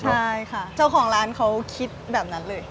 ใช่ค่ะเจ้าของร้านเขาคิดแบบนั้นเลย